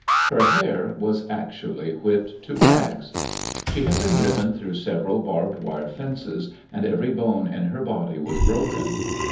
Her hair was actually whipped to rags. She had been driven through several barbed wire fences, and every bone in her body was broken.